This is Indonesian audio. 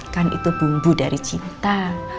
kan itu bumbu dari cinta